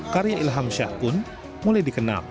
karya ilham syah pun mulai dikenal